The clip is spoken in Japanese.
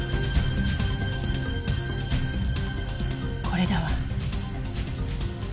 これだわ。